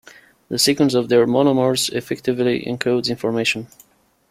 The sequence of their monomers effectively encodes information.